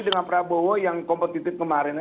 dengan prabowo yang kompetitif kemarin